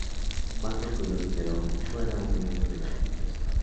Marco Tulio Cicerón no era un miembro de la conspiración.